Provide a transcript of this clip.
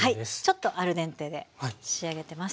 ちょっとアルデンテで仕上げてます。